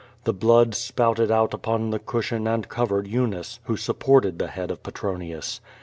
The blood spouted out upon the cushion and covered Eunice, who supported the head of Petronius.